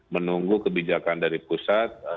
menunggu kebijakan dari pusat